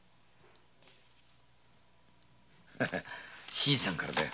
新さんからだよ。